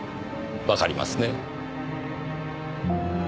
わかりますね？